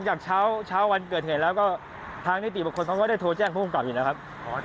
กับผมก็จริงจังทำมาอยู่ด้วยกันค่อนข้างมา๒เดือนนะครับ